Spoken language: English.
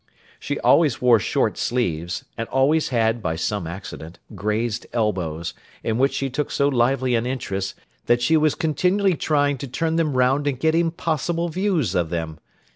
She always wore short sleeves, and always had, by some accident, grazed elbows, in which she took so lively an interest, that she was continually trying to turn them round and get impossible views of them.